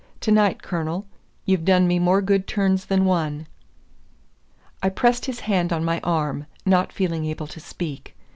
To night, Colonel, you've done me more good turns than one." I pressed his hand on my arm, not feeling able to speak.